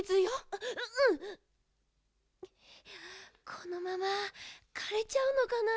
このままかれちゃうのかな？